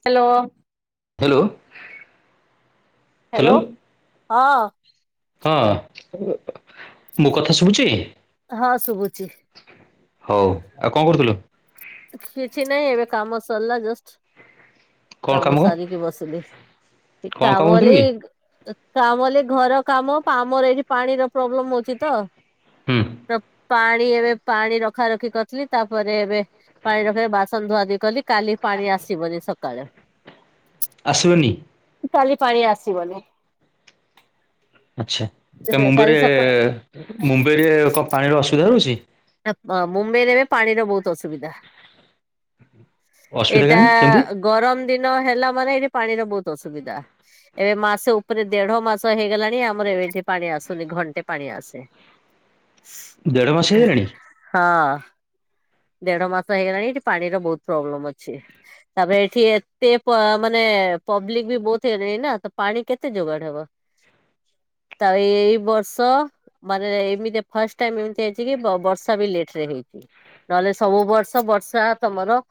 Hello. Hello. Hello ହଁ। ହଁ, [inaudible] ମୋ କଥା ଶୁଭୁଛି? ହଁ ଶୁଭୁଛି। ହଉ, ଆଉ କଣ କରୁଥିଲ? କିଛି ନାଇଁ ଏବେ କାମ ସରଲା ଜଷ୍ଟ। କାମ ସାରକି ବସିଲି। ଏ କଣ କାମ କରୁଥିଲୁ ବୋଲି କି କାମଲେ ଘର କାମ ଆମର ଏଇଠି ପାଣିର ପ୍ରୋବ୍ଲେମ ଅଉଛି ତ। ହୁଁ। ପାଣି ଏବେ ପାଣି ରଖା ରଖି କରିଥିଲି ତାପରେ ଏବେ ପାଣି ରଖେଇ ବାସନ ଧୁଆ ଧୁଇ କଲି କାଲି ପାଣି ଆସିବନି ସକାଳେ। ଆସିବନି। କାଲି ପାଣି ଆସିବନି। ଆଚ୍ଛା କାଇଁ କାଲି ମୁମ୍ବାଇରେ ସକାଳ ମୁମ୍ବାଇରେ କଣ ପାଣିର ଅସୁବିଧା ରହୁଛି। ମୁମ୍ବାଇରେ ଏବେ ପାଣିର ବହୁତ ଅସୁବିଧା। ଅସୁବିଧା ଏଇଟା କାହିଁ କେମିତି ଗରମ ଦିନ ହେଲା ମାନେ ଏଇଠି ପାଣିର ବହୁତ ଅସୁବିଧା। ଏବେ ମାସ ଉପରେ ଦେଢ ମାସ ହେଇଗଲାଣି ଆମର ଏମଠି ପାଣି ଆସୁନି ଘଣ୍ଟେ ପାଣି ଆସେ। ଦେଢ଼ ମାସ ହେଇଗଲାଣି ହଁ। ଦେଢ ମାସ ହେଇଗଲାଣି ଏଠି ପାଣିର ବହୁତ ପ୍ରୋବ୍ଲେମ ଅଛି। ତାପରେ ଏଠି ଏତେ ପ ମାନେ ପବ୍ଲିକ ବି ବହୁତ ହେଇଲେଣି ନା ତ ପାଣି କେତେ ଯୋଗାଡ ହବ। ତ ଏଇ ବର୍ଷ ମାନେ ଏମିତି ଫାଷ୍ଟ ଟାଇମ ଏମିତି ହେଇଛି କି ବର୍ଷା ବି ଲେଟ ରେ ହେଇଛି। ନହେଲେ ସବୁ ବର୍ଷ ବର୍ଷା ତମର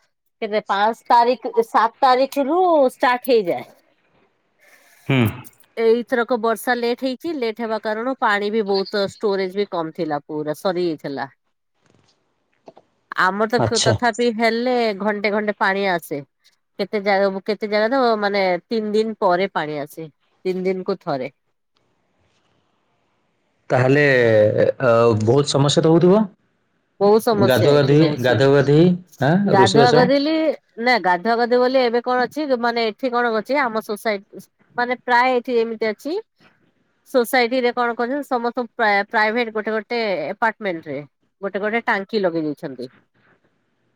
କେବେ ପାଞ୍ଚ ତାରିଖ ସାତ ତାରିଖରୁୁ ଷ୍ଟାର୍ଟ ହେଇଯାଏ। ହୁଁ। ଏଇଥରକ ବର୍ଷା ଲେଟ ହେଇଛି ଲେଟ୍ ହେବା କାରଣରୁ ପାଣି ବି ବହୁତ ଷ୍ଟୋରେଜ ବି କମ ଥିଲା। ପୁରା ସରିଆଇଥିଲା। ଆମର ତ ଆଚ୍ଛା ତଥାପି ହେଲେ ଘଣ୍ଟେ ଘଣ୍ଟେ ପାଣି ଆସେ। କେତେ ଜା କେତେ ଜାଗା ତ ମାନେ ତିନି ଦିନ ପରେ ପାଣି ଆସେ ତିନି ଦିନ କୁ ଥରେ। ତାହେଲେ ଆଉ ବହୁତ ସମସ୍ୟା ହେଉଥିବ। ବହୁତ ସମସ୍ୟା ଗାଧୁ ଏଠି ଗାଧୋଇ ରହୁଛି। ଗାଧୋଇ ଗାଧୋଇଁ ଆଁ ଗାଧୁଆ ରୋଷେଇବାସ। ଗାଧେଇଲି ନା ଗାଧୁଆ ଗାଧୁ ବୋଲି ଏବେ କଣ ଅଛି ମାନେ ଏଠି କଣ ଅଛି ଆମ ସୋସାଇଟି ମାନେ ପ୍ରାୟ ଏଠି ଏମିତି ଅଛି। ସୋସାଇଟି ରେ କଣ କରୁଛନ୍ତି ସମସ୍ତଙ୍କ ପ୍ରାଇ ପ୍ରାଇଭେଟ ଗୋଟେ ଗୋଟେ ଆପାର୍ଟମେଣ୍ଟ ରେ ଗୋଟେ ଗୋଟେ ଟାଙ୍କି ଲଗେଇ ଦେଇେଛନ୍ତି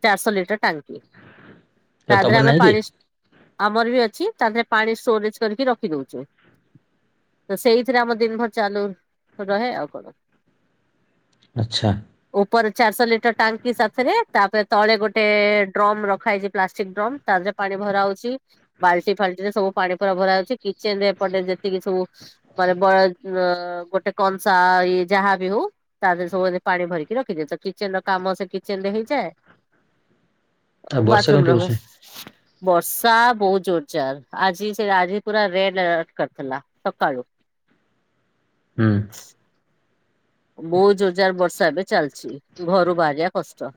ଚାରିଶହ ଲିଟର ଟାଙ୍କି। ତା ଥିରେ ତମର ଆମେ ନାହିଁ କି ପାଣି ଆମର ବି ଅଛି ତାହା ଥିରେ ପାଣି ଷ୍ଟୋରେଜ କରିକି ରଖି ଦଉଛୁ। ତ ସେଇଥିରେ ଆମ ଦିନ ଭର ଚାଲୁ ରହେ ଆଉ କଣ। ଆଛା। ଉପର ଚାରିଶହ ଲିଟର ଟାଙ୍କି ସାଥିରେ ତାପରେ ତଳେ ଗୋଟେ ଡ୍ରମ ରଖାହେଇଛି ପ୍ଲାଷ୍ଟିକ ଡ୍ରମ ତାଥିରେ ପାଣି ଭରା ହଉଛି ବାଲ୍ଟି ଫାଲ୍ଟି ରେ ସବୁ ପାଣି ପରା ଭରା ହଉଛି କିଚେନ ରେ ଏପଟେ ଯେତିକି ସବୁ ମାନେ ବ ଗୋଟେ କଂସା ଇ ଯାହା ଵି ହଉ ତା ଦେହରେ ସବୁ ପାଣି ଭରିକି ରଖିଦିଏ ତ କିଚେନ ର କାମ ସେ କିଚେନ ରେ ହେଇଯାଏ ଆଉ ବର୍ଷା ବାଥରୁମ କେମିତି ର ହଉଛି ବ୍ରସ ବର୍ଷା ବହୁତ ଜୋର ଜାର ଆଜି ସେ ଆଜି ପୁରା ରେଡ ଆଲର୍ଟ କରିଥିଲା। ସକାଳୁ। ହୁଁ। ବହୁତ ଜୋରଜାର ବର୍ଷା ଏବେ ଚାଲିଛି ଘରୁ ବାହାରିବା କଷ୍ଟ।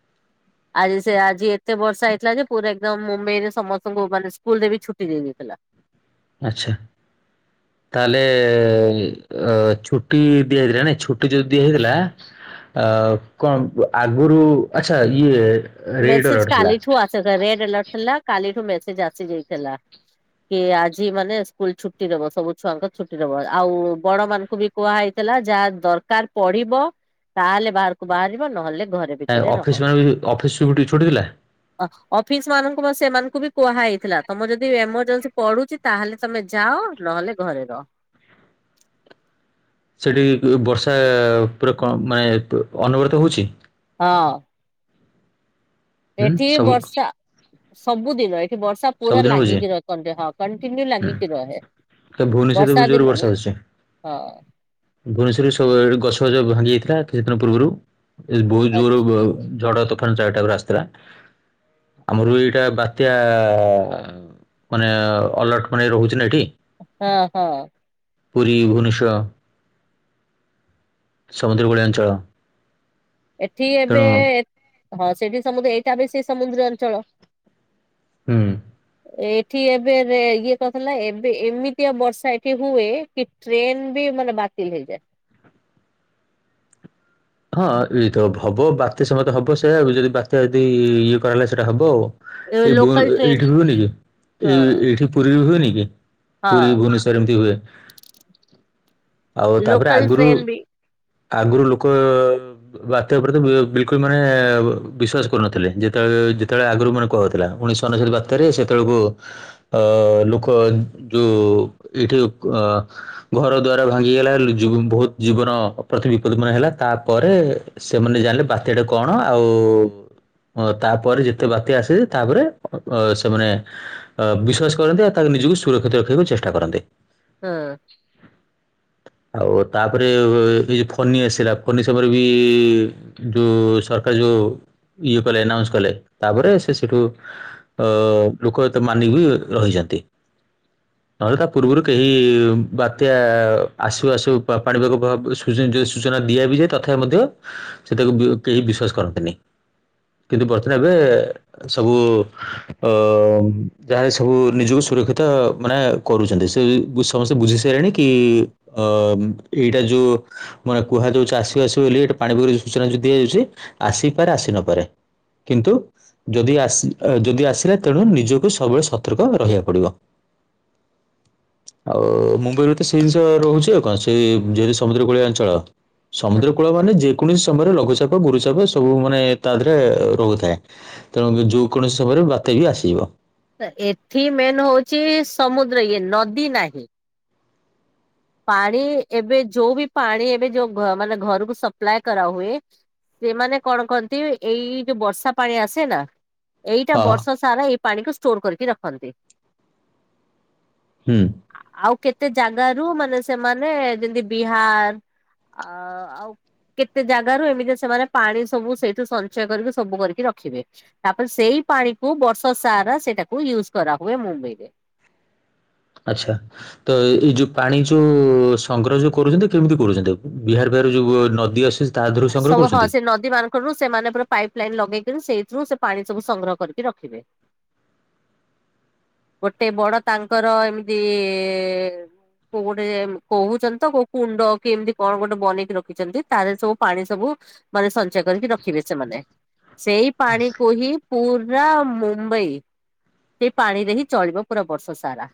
[inaudible] ଆଜି ସେ ଆଜି ଏତେ ବର୍ଷା ହେଇଥିଲା ଯେ ପୁର ଏକଦମ ମୁମ୍ବାଇ ରେ ସମସ୍ତଙ୍କୁ ମାନେ ସ୍କୁଲ ରେ ବି ଛୁଟି ଦିଆଯାଇଥିଲା। ଆଛା ତାହେଲେ ଛୁଟି ଦିଆଯାଏନାଇଁ ଛୁ ଛୁଟି ଯଦିି ହେଇଥିଲା ଅ କଣ ଆଗରୁ ଆଚ୍ଛା ଇଏ ରେଡ ମେସେଜ ଆଲର୍ଟ ଥିଲା କାଲିଠୁ ଆସ ରେଡ୍ ଆଲର୍ଟ ଥିଲା କାଲିଠୁ ମେସେଜ ଆସିଯାଇଥିଲା। କି ଆଜି ମାନେ ସ୍କୁଲ ଛୁଟି ଦବ ସବୁ ଛୁଆଙ୍କ ଛୁଟି ଦବ ଆଉ ବଡ ମାନଙ୍କୁ ବି କୁହାହେଇଥିଲା ଯାହା ଦରକାର ପଡିବ ତାହେଲେ ବାହାରକୁ ବାହାରିବ ନହେଲେ ଘରେ ଆ ଭିତରେ ରହ। ଅଫିସ ମାନେ ବି ଅଫିସ୍ ବି ଛୁଟି ଥିଲା। ଅ ଅଫିସ ମାନଙ୍କୁ ମ ସେମାନଙ୍କୁ ବି କୁହା ହେଇଥିଲା ତମର ଯଦି ଏମରଜେନ୍ସି ପଡୁଛି ତାହେଲେ ତମେ ଯାଅ ନହେଲେ ଘରେ ରହ। ସେଠି ବର୍ଷା ପୁରା କଣ ମାନେ ଅନବରତ ହଉଛି। ହଁ। ହୁଁ ଏଠି ସବୁ ବର୍ଷା ସବୁଦିନ ବର୍ଷା ପୁରା ସବୁଦିନ ହଉଛି ଲାଗିକି ରହେ କେ ହଁ କଣ୍ଟିନ୍ୟୁ ହୁଁ ଲାଗିକି ରହେ ତ ଭୁବନେଶ୍ୱରରେ ବି ବର୍ଷା ଜୋର ଦିନରେ ହଁ ଭୂବନେଶ୍ୱରରୁ ସବୁ ଗଛ ଫଛ ଭାଙ୍ଗି ଯାଇଥିଲା କିଛି ଦିନ ପୂର୍ବରୁ ବହୁ ଜୋର ଆଚ୍ଛା ଝଡ ଚାରିଟାକୁ ଆସିଥିଲା ଆମର ଵି ଏଇଟା ବାତ୍ୟା ହ ମାନେ ଅଲର୍ଟ ମାନେ ରହୁଛି ନା ଏଠି ହଁ ହଁ। ପୁରୀ ଭୁବନେଶ୍ୱର ସମୁଦ୍ରକୂଳିଆ ଅଞ୍ଚଳ ଏଠି ଏବେ ତେଣୁ ହୁଁ ହଁ ସେଠି ସମୁଦ୍ର ଏଇଟା ଏବେ ସେଇ ସମୁଦ୍ର ଅଞ୍ଚଳ। ହୁଁ। ଏଠି ଏବେ ଏବେ ଇଏ କରିଦେଲା ଏବେ ଏମିତିଆ ବର୍ଷା ଏଠି ହୁଏ କି ଟ୍ରେନବି ମାନେ ବାତିଲ ହେଇଯାଏ। ହଁ ହେଇଥବ ହବ ବାତ୍ୟା ସମତେ ହବ ସେଆ ଯଦି ବାତ୍ୟା ଯଦି ଇଏ କରା ହେଲା ସେଇଟା ହବ। ଏ ବୁ ଅ ଲୋକାଲ ଟ୍ରେନ ଏଇଠି ହୁଏନକି ଏଇ ହଁ ଏଇଠି ପୁରୀରେ ହୁଏନିକି? ପୁରୀ ହଁ ଭୁବନେଶ୍ଵର ଏମିତି ହୁଏ ଆଉ ତାପରେ ଲୋକାଲ ଆଗରୁ ଟ୍ରେନ ବି ଆଗରୁ ଲୋକ ବାତ୍ୟା ପ୍ରତି ବିଲକୁଲ ମାନେ ବିଶ୍ୱାସ କରୁନଥିଲେ ଯେତେବେଳେ ଯେତେବେଳେ ଆଗରୁ ମାନେ କୁହାହଉଥିଲା ଉଣେଇଶ ଅନେଶ୍ୱତ ବାତ୍ୟାରେ ସେତେବେଳକୁ ଅ ଲୋକ ଯୋଉ ଏଇଠି ଅ ଘର ଦ୍ୱାର ଭାଙ୍ଗିଗଲା ବହୁତୁ ଜୀବନ ପ୍ରତି ବିପଦ ମନ ହେଲା। ତାପରେ ସେମାନେ ଜାଣିଲେ ବାତ୍ୟାଟା କଣ ଆଉ ଅ ତାପରେ ଯେତେ ବାତ୍ୟା ଆସେ ତାପରେ ସେମାନେ ଅ ବିଶ୍ଵାସ କରନ୍ତି ଆଉ ତାକୁ ନିଜକୁ ସୁରକ୍ଷିତ ରଖିବାକୁ ଚେଷ୍ଟା କରନ୍ତି। ହୁଁ। ଆଉ ତାପରେ ଏଇ ଯୋଉ ଫନି ଆସିଲା। ଫନି ସମୟରେ ବି ସେଠୁ ସରକାର ଯୋଉ ଇଏ କଲେ ଆନାଉନ୍ସ କଲେ ତାପରେ ସେ ସେଠୁ ଅ ଲୋକ ଏତେ ମାନିକି ବି ରହିଛନ୍ତି। ନହେଲେ ତା ପୂର୍ବରୁ କେହି ବାତ୍ୟା ଆସୁ ଆସୁ ପାଣିପାଗ ଯି ସୂଚନା ଦିଆବିଯାଏ ତଥାପି ମଧ୍ୟ ସେ ତାକୁ କେହି ବିଶ୍ଵାସ କରନ୍ତିନି। କିନ୍ତୁ ବଧେ ଏବେ ସବୁ ଅ ଯାଏ ସବୁ ନିଜକୁ ସୁରକ୍ଷିତ ମାନେ କରୁଛନ୍ତି ସେ ସମସ୍ତେ ବୁଝି ସାରିଲଣି କି ଏଇଟା ଯୋଉ ମାନେ କୁହାଯାଉଛି ଆସିବ ଆସିବ ବୋଲି ପାଣିପାଗର ଯୋଉ ସୂଚନା ଦିଆଯାଉଛି ଆସିପାରେ ଆସି ନପାରେ। କିନ୍ତୁ ଯଦି ଆସି ଯଦି ଆସିଲା ତେଣୁ ନିଜକୁ ସବୁବେଳେ ସତର୍କ ରହିବାକୁ ପଡିବ। [inaudible] [unintelligible] ଆଉ ମୁମ୍ବାଇରୁ ତ ସେଇ ଜିନିଷ ରହୁଛି ଆଉ କଣ ସେ ଯେହେତୁ ସମୁଦ୍ର କୂଳିଆ ଅଞ୍ଚଳ। ସମୁଦ୍ର କୂଳ ମାନେ ଯେକୌଣସି ସମୟରେ ଲଘୁଚାପ ଗୁରୁଚାପ ସବୁ ମାନେ ତା ଦେହରେ ରହୁଥାଏ। ତେଣୁ ଯୋଉ କୌଣସି ସମୟରେ ବାତ୍ୟା ବି ଆସିଯିବ? ଏଠି ମେନ୍ ହଉଛି ସମୁଦ୍ର ଇଏ ନଦୀ ନାହିଁ। ପାଣି ଏବେ ଯୋଉ ବି ପାଣି ଏବେ ଯୋଉ ଘରକୁ ମାନେ ଘରକୁ ସପ୍ଲାଏ କରାହୁଏ। ସେମାନେ କଣ କରନ୍ତି ଏଇ ଯୋଉ ବର୍ଷା ପାଣି ଆସେ ନା ଏଇଟା ହଁ ବର୍ଷ ସାରା ଏଇ ପାଣିକୁ ଷ୍ଟୋର କରିକି ରଖନ୍ତି। ହୁଁ। ଆ‌ ଆଉ କେତେ ଜାଗା ରୁ ମାନେ ସେମାନେ ଯେମତି ବିହାର ଆ ଆଉ କେତେ ଜାଗାରୁ ଏମିତି ସେମାନେ ପାଣି ସବୁ ସେଇଠୁ ସଞ୍ଚୟ କରିକି ସବୁ କରିକି ରଖିବେ। ତାପରେ ସେଇ ପାଣିକୁ ବର୍ଷ ସାରା ସେଟାକୁ ୟୁଜ କରା ହୁଏ ମୁମ୍ବେଇ ରେ। ଆଛା। ତ ଏଇ ଯଉ ପାଣି ଯଉ ସଂଗ୍ରହ ଯଉ କରୁଛନ୍ତି କେମିତି କରୁଛନ୍ତି ଆକୁ ବିହାର ଫିହାର ଯଉ ନଦୀ ଆସୁ ତା ଦେହରୁ ସଂଗ୍ରହ ସବୁ ହଁ କରୁଛନ୍ତି। ସେ [unintelligible] ସେମାନେ ପୁରା ପାଇପ୍ ଲାଇନ ଲଗେଇକରି ସେଇଥିରୁ ସେ ପାଣି ସବୁ ସଂଗ୍ରହ କରିକି ରଖିବେ। [inaudible] ଗୋଟେ ବଡ ତାଙ୍କର ଏମିତି ଇ କୋଉ ଗୋଟେ କହୁଛନ୍ତି ତ କୋଉ କୁଣ୍ଡ କି ଏମିତି କଣ ଗୋଟେ ବନେଇକି ରଖିଛନ୍ତି ତାରେ ସବୁ ପାଣି ସବୁ ମାନେ ସଞ୍ଚୟ କରିକି ରଖିବେ ସେମାନେ ସେଇ ପାଣି କୁ ହିଁ ପୂରା ମୁମ୍ବଇ ସେଇ ପାଣିରେ ହିଁ ଚଳିବ ପୁରା ବର୍ଷ ସାରା।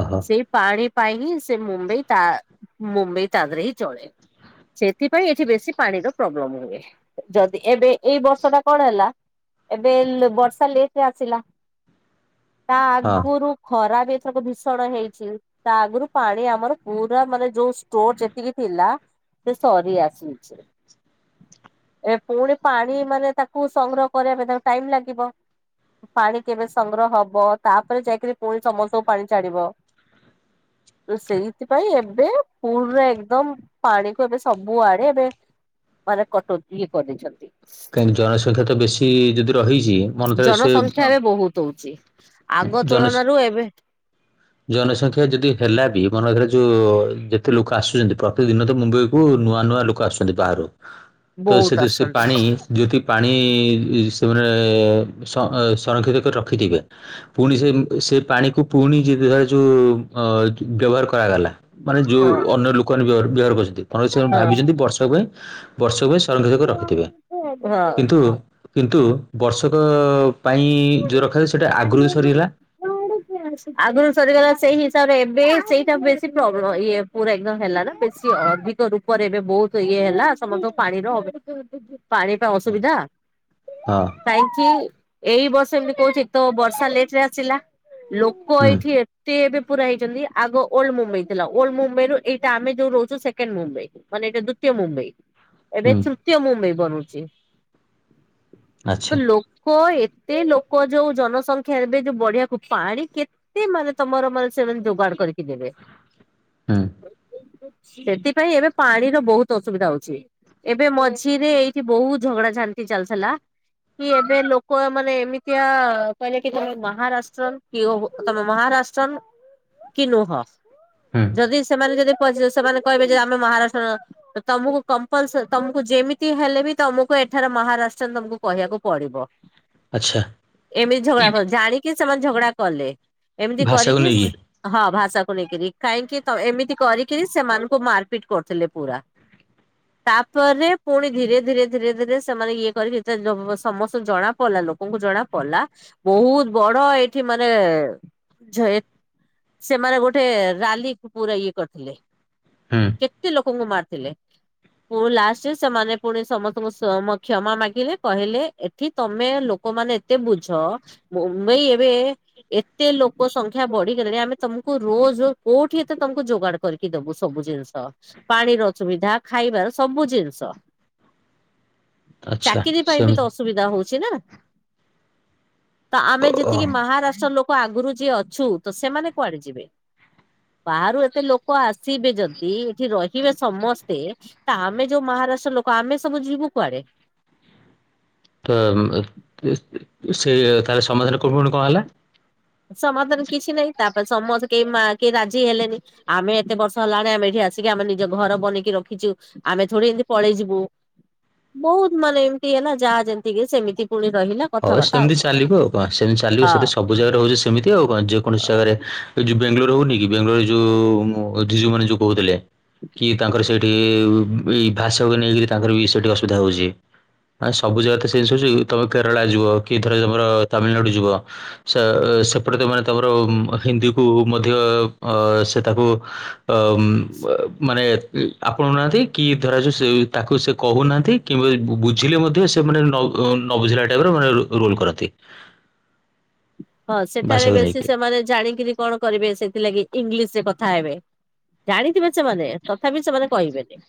ଓ ହ। ସେଇ ପାଣି ପାଇଁ ହିଁ ସେ ମୁମ୍ବାଇ ତା ମୁମ୍ବାଇ ତା ଦେହରେ ହିଁ ଚଳେ। ସେଥିପାଇଁ ଏଠି ବେଶୀ ପାଣିର ପ୍ରୋବ୍ଲେମ ହୁଏ ଯଦି ଏବେ ଏଇ ବର୍ଷ ଟା କଣ ହେଲା ଏବେ ବର୍ଷା ଲେଟରେ ଆସିଲା ତା ହଁ ଆଗୁରୁ ଖରା ବି ଏଥରକ ଭୀଷଣ ହେଇଛି। ତା ଆଗରୁ ପାଣି ଆମର ପୁରା ମାନେ ଯୋଉ ଷ୍ଟୋର ଯେତିକି ଥିଲା ସେ ସରି ଆସୁଛି। ଏ ପୁଣି ପାଣି ମାନେ ତାକୁ ସଂଗ୍ରହ କରିବା ପାଇଁ ତାକୁ ଟାଇମ ଲାଗିବ। ପାଣି କେବେ ସଂଗ୍ରହ ହବ ତାପରେ ଯାଇକିରି ପୁଣି ସମସ୍ତଙ୍କୁ ପାଣି ଛାଡିବ। ତ ସେଇଥିପାଇଁ ଏବେ ପୁରେରେ ଏକଦମ ପାଣିକୁ ଏବେ ସବୁଆଡେ ଏବେ ମାନେ କଟ ଇଏ କରିଦେଇଛନ୍ତି। କାହିଁକି ଜନସଂଖ୍ୟା ତ ବେଶୀ ଯଦି ରହିଛି ମନେକର ସେ ଜନସଂଖ୍ୟା ଏବେ ବହୁତ ହଉଛି ଆଗ ତୁଳନାରୁ ଏବେ ହ। ଜନସଂଖ୍ୟା ଯଦି ହେଲା ବି ମନ ରଖୀ ଆର ଯଉ ଯେତେ ଲୁକ ଆସୁଛନ୍ତି ପ୍ରତିଦିନ ତ ମୁମ୍ବଇ କୁ ନୂଆ ନୂଆ ଲୁକ ଆସୁଛନ୍ତି ବାହାରୁ ତ ବହୁତ ସେଥି ସେ ଆସନ୍ତି ପାଣି ଯେଉଥି ପାଣି ସେମାନେ ସଂର ସଂରକ୍ଷିତ କରି ରଖିଥିବେ। ପୁଣି ସେ ସେ ପାଣିକୁ ପୁଣି ଯ ଯୋଉ ଅ ବ୍ୟବହାର କରାଗଲା। ମାନେ ଯଉ ହଁ ଅନ୍ୟ ଲୁକମାନେ ବ୍ୟବହା ବ୍ୟବହାର କରିସିତି ମାନେ ସେମାନେ ହଁ। ଭାବିଛନ୍ତି ବର୍ଷକ ପାଇଁ। ବର୍ଷକ ପାଇଁ ସଂରକ୍ଷିତ କରି ରଖିଥିବେ ହଁ। କିନ୍ତୁ କିନ୍ତୁ ବର୍ଷକ ପାଇଁ ଜୋଉ ରଖାଯାଏ ସେଟା ଆଗରୁ ସରିଗଲା [inaudible] ଆଗରୁ ସରିଗଲା ସେଇ ହିସାବରେ ଏବେ ସେଇଟା ବେଶୀ ପ୍ରୋବ୍ଲେମ ଇଏ ପୁରା ଏକଦମ ହେଲା ନା ସିଏ ଅଧିକ ରୂପରେ ଏବେ ବହୁତ ଇଏ ହେଲା ସମସ୍ତଙ୍କ ପାଣିର ଅ ପାଣି ତ ହଁ ଅସୁବିଧା ହଁ କାହିଁକି? ଏଇ ବର୍ଷ ଏମିତି କହୁଚି ତ ବର୍ଷା ଲେଟରେ ଆସିଲା ଲୋକ ହୁଁ ଏଇଠି ଏତେ ଏବେ ପୁରା ହେଇଛନ୍ତି ଆଗ ଓଲ୍ଡ ମୁମ୍ବାଇ ଥିଲା ଓଲଡ ମୁମ୍ବାଇରୁ ଏଇଟା ଆମେ ଯୋଉ ରହୁଛୁ ସେକେଣ୍ଡ ମୁମ୍ବାଇ। ମାନେ ଏଟା ଦ୍ଵିତୀୟ ମୁମ୍ବାଇ। ଏବେ ହୁଁ ତୃତୀୟ ମୁମ୍ବାଇ ବନଉଛି ଆଚ୍ଛା ତ ଲୋକ ଏ ଏତେ ଲୋକ ଯୋଉ ଜନସଂଖ୍ୟା ଏବେ ଯୋଉ ବଢିଆକୁ ପାଣି କେ ତେ ମାନେ ତମର ମାନେ ସେମାନେ ଯୋଗାଡ଼ କରିକି ଦେବେ। ହୁଁ ସେଥିପାଇଁ ଏବେ ପାଣିର ବହୁତ ଅସୁବିଧା ହଉଛି। ଏବେ ମଝିରେ ଏଇଠି ବହୁତ ଝଗଡା ଝାଣ୍ଟି ଚାଲିଥିଲା କି ଏବେ ଲୋକ ମାନେ ଏମିତିଆ କହିଲେ କି ତମେ ମହାରାଷ୍ଟ୍ରନ୍ କି ଓହୋ ତମେ ମହାରାଷ୍ଟ୍ରନ୍ କି ନୁହଁ ହୁଁ। ଯଦି ସେମାନେ ଯଦି ପଚା ସେମାନେ କହିବେ ଯେ ଆମେ ମହାରାଷ୍ଟ୍ରର ତ ତମକୁ କମ୍ପଲସ ତମକୁ ଯେମିତି ହେଲେ ବି ତମକୁ ଏଠାରେ ମହାରାଷ୍ଟ୍ରନ୍ ତମକୁ କହିବାକୁ ପଡିବ। ଆଚ୍ଛା। ଏମିତି ଝଗଡା କ ଜାଣିକି ସେମାନେ ଝଗଡା କଲେ ଏମିତି ଭାଷାକୁ କରିକି ନେଇକି? ସ୍ ହଁ ଭାଷାକୁ ନେଇକିରି କାହିଁକି ତ ଏମିତି କରିକିରି ସେମାନଙ୍କୁ ମାରପିଟ କରୁଥିଲେ ପୁରା। ତାପରେ ପୁଣି ଧୀରେ ଧୀରେ ଧୀରେ ଧୀରେ ସେମାନେ ଇଏ କରିକି ଯେତଳେ ଲୋ ସମସ୍ତେ ଜଣା ପଡିଲା ଲୋ ଲୋକଙ୍କୁ ଜଣା ପଡିଲା ବୋହୁତ ବଡ ଏଇଠି ମାନେ ଜଏ ସେମାନେ ଗୋଟେ ରାଲିକୁ ପୁରା ଇଏ କରିଥିଲେ। ହୁଁ। କେତେ ଲୋକଙ୍କୁ ମାରଥିଲେ। ପୁଣି ଲାଷ୍ଟରେ ସେମାନେ ପୁଣି ସମସ୍ତଙ୍କୁ ସମ୍ କ୍ଷମା ମାଗିଲେ କହିଲେ ଏଠି ତମେ ଲୋ ଲୋକମାନେ ଏତେ ବୁଝ ମୁମ୍ବାଇ ଏବେ ଏତେ ଲୋକ ସଂଖ୍ୟା ବଢିଗଲେଣି ଆମେ ତମକୁ ରୋଜ ରୋ କୋଉଠି ଏତେ ତମକୁ ଯୋଗାଡ କରିକି ଦୋବୁ ସବୁ ଜିନଷ ପାଣିର ଅସୁୁବିଧା ଖାଇବାର ସବୁ ଜିନଷ। ଆଚ୍ଛା ଚାକିରି ପାଇଁ ବି ତ ସେମିତି ଅସୁବିଧା ହୋଉଛି ନା। ତ ଆମେ ଅ ଯେତିକି ମହାରାଷ୍ଟ୍ର ଲୋକ ଆଗରୁ ଯିଏ ଅଛୁ ତ ସେମାନେ କୁଆଡେ ଯିବେ? ବାହାରୁ ଏତେ ଲୋକ ଆସିବେ ଯଦି ଏଠି ରହିବେ ସମସ୍ତେ ତା ଆମେ ଯୋଉ ମହାରାଷ୍ଟ୍ର ଲୋକ ଆମେ ସବୁ ଯିବୁ କୁଆଡେ? ତ ଉମ୍ ଏ ସେ ତାର ସମାଧାନ କଣ ପୁଣି କଣ ହେଲା? ସମାଧାନ କିଛି ନାଇଁ ତାପରେ ସମସ୍ତେ କେହି ମା କେହି ରାଜି ହେଲେନି। ଆମେ ଏତେ ବର୍ଷ ହେଲାଣି ଆମେ ଏଇଠି ଆସିକି ଆମେ ନିଜ ଘର ବନେଇକି ରଖିଚୁ ଆମେ ଥୋଡି ଏମତି ପଳେଇ ଯିବୁ। ବୋହୁତ ମାନେ ଏମତି ହେଲା ଯାହା ଯେମତି କି ସେମିତି ପୁଣି ରହିଲା। ହୋଉ କଥାବାର୍ତ୍ତା ଆଉ ସେମତି କଣ। ଚାଲିବ ଆଉ କଣ ସେମତି ଚାଲିବ ସେତ ହଁ ସବୁ ଜାଗାରେ ହୋଉଚି ସେମିତି ଆଉ କଣ ଯେକୌଣସି ଜାଗାରେ ଏଇ ଯୋଉ ବାଙ୍ଗାଲୋର ହୋଉନି କି ବାଙ୍ଗଲୋରରେ ଯୋଉ ଉଁମ୍ ଯେ ସେମାନେ ଯୋଉ କୋହୁଥିଲେ କି ତାଙ୍କର ସେ ଏ ଏଇ ଭାଷକୁ ନେଇକିରି ତାଙ୍କର ବି ସେଠି ଅସୁବିଧା ହୋଉଚି। ନାଇ ସବୁ ଜାଗାରେ ତ ସେଇ ଜିନଷ ହୋଉଚି ତମେ କେରଳା ଯିବ କି ଧର ତମର ତାମିଲନାଡୁ ଯିବ ସେ ସେପଟେ ତାମାନେ ତମର ହିନ୍ଦୀକୁ ମଧ୍ୟ ଅ ସ୍ ଏ ତାକୁ ତ ଉମ୍ ବ ମାନେ ଏ ଆପଣୋଉ ନାହାନ୍ତି କି ଧରାଯାଉ ସେ ତାକୁ ସେ କୋହୁନାହାନ୍ତି କିମ୍ବା ବୁ-ବୁଝିଲେ ମଧ୍ୟ ସେମାନେ ନ ଅ ନବୁଝିଲା ଟାଇପର ମାନେ ରୋ-ରୋଲ କରନ୍ତି। ହଁ ସେଠାରେ ଭାଷାକୁ ବେଶୀ ନେଇକି ସେମାନେ ଜାଣିକିରି କଣ କରିବେ ସେଇଥିଲାଗି ଇଂଲିଶରେ କଥା ହେବେ। ଜାଣିଥିବେ ସେମାନେ ତଥାପି ସେମାନେ କହିବେନି।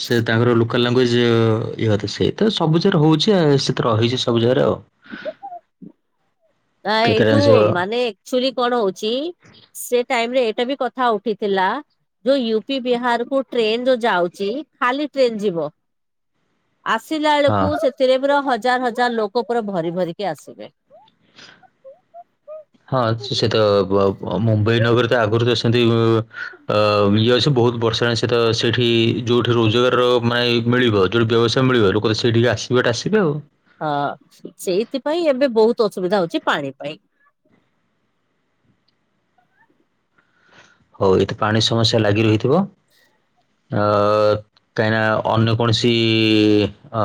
ସେ ତାଙ୍କର ଲୋକାଲ ଲାଙ୍ଗୁଏଜ ଇଏ ହବାଥା ସେଇ ତ ସବୁ ଜାଗାରେ ହୋଉଚି ଆ ସେ ତ ରହିଚି ସବୁ ଜାଗାରେ ଆଉ। ନା କେତେଟା ଏଇଠୁ ଜିନିଷ ମାନେ ଏକଚୋଲି କଣ ହୋଉଚି ସେ ଟାଇମରେ ଏଇଟା ବି କଥା ଉଠିଥିଲା ଯୋଉ ୟୁ ପି ବିହାରକୁ ଟ୍ରେନ ଯୋଉ ଯାଉଚି ଖାଲି ଟ୍ରେନ ଯିବ ଆସିଲା ହଁ ବେଳକୁ ସେଥିରେ ପୁରା ହଜାର ହଜାର ଲୋକ ପୁରା ଭରି ଭରିକି ଆସିବେ। ହଁ ସେ ତ ବ ଅ ମୁମ୍ବାଇ ନଗର ତ ଆଗରୁ ଯାଇ ସେ ସେମତି ଅ ଇଏ ଅଛି ବୋହୁତ ବର୍ଷ ହେଲଣି ସେତ ସେଇଠି ଯୋଉଠି ରୋଜଗାରର ମାନେ ମିଳିବ ଯୋଉଠି ବ୍ୟବସାୟ ମିଳିବ ଲୋକ ତ ସେଇଠିକି ଆସିବାଟା ଆସିବେ ଆଉ। ହଁ ସେଇଥିପାଇଁ ଏବେ ବୋହୁତ ଅସୁବିଧା ହୋଉଛି ପାଣି ପାଇଁ। ହୋଉ ଏଇଠି ପାଣି ସମସ୍ୟା ଲାଗି ରହିଥିବ ଅ କାହିଁକି ନା ଅନ୍ୟ କୌଣସି ଅ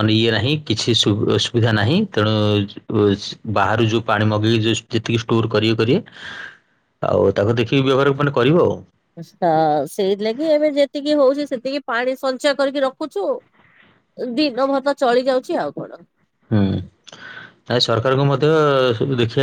ମାନେ ଇଏ ନାହିଁ କିଛି ସୁବୁ ଅ ସୁବିଧା ନାହିଁ ତେଣୁ ଉ ସ୍ ବାହାରୁ ଯୋଉ ପାଣି ମଗେଇକି ଯଦି ଯେତିକି ଷ୍ଟୋର କରିବେ କରିବେ ଆଉ ତାକୁ ଦେଖିକି ବ୍ୟବହାରକୁ ମାନେ କରିବ ଆଉ। ସେଇଥିଲାଗି ଏବେ ଯେତିକି ହଉଛି ସେତିକି ପାଣି ସଞ୍ଚୟ କରିକି ରଖୁଛୁ ଦିନ ଭରି ତ ଚଳି ଯାଉଛି ଆଉ କଣ? ହୁଁ। ନାଇଁ ସରକାରଙ୍କୁ ମଧ୍ୟ ସବୁ ଦେଖିବା